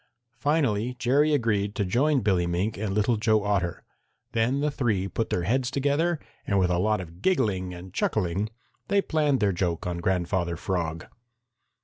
Finally Jerry agreed to join Billy Mink and Little Joe Otter. Then the three put their heads together and with a lot of giggling and chuckling they planned their joke on Grandfather Frog.